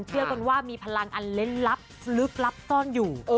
เชื่อกันว่ามีพลังอันเล่นลับลึกลับซ่อนอยู่